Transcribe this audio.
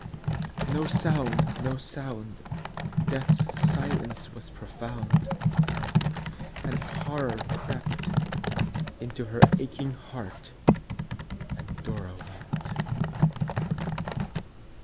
No sound! no sound! Death's silence was profound; 10 And horror crept Into her aching heart, and Dora wept.